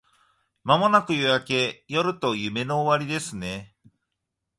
間もなく夜明け…夜と夢の終わりですね